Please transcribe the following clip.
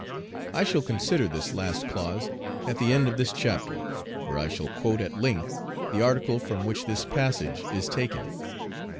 I shall consider this last clause at the end of this chapter, where I shall quote at length the article from which this passage is taken.